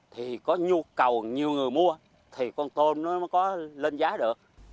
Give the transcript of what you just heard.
thì có nhu cầu nhiều người mua thì con tôm nó mới có lên giá được